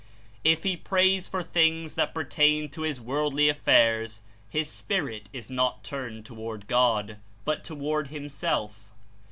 If he prays for things that pertain to his worldly 124 affairs, his spirit Is not turned toward God, but to ward himself.